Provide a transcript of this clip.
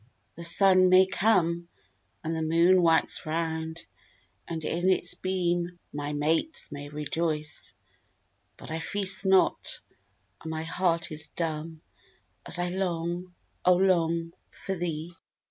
The sun may come And the moon wax round, And in its beam My mates may rejoice, But I feast not And my heart is dumb, As I long, O long, for thee!